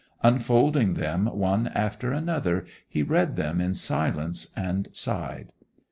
Unfolding them one after another he read them in silence, and sighed.